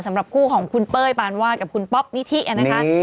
สำหรับคู่ของคุณเป้ยปานวาดกับคุณป๊อปนิธินะคะ